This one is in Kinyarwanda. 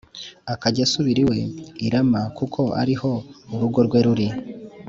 akajya asubira iwe i rama kuko ari ho urugo rwe ruri